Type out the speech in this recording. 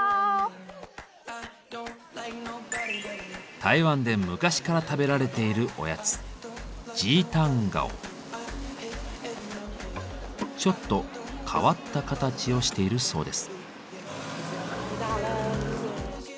台湾で昔から食べられているおやつちょっと変わった形をしているそうです。